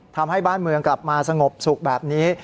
ทำให้บ้านเมืองกลับมาสงบสุขแบบนี้